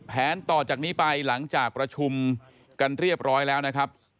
ต่อจากนี้ไปหลังจากประชุมกันเรียบร้อยแล้วนะครับ